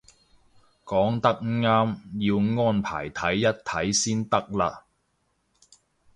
講得啱，要安排睇一睇先得嘞